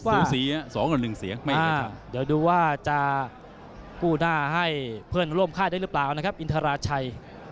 สูสี๒ต่อ๑เสียงเดี๋ยวดูว่าจะกู้หน้าให้เพื่อนร่วมค่ายได้หรือเปล่านะครับอินทราชัย